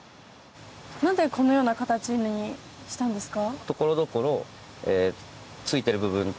なぜこのような形にしたんですか？